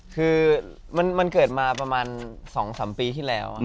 คือมันเกิดมาประมาณ๒๓ปีที่แล้ว